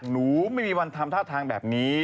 หนูไม่มีวันทำท่าทางแบบนี้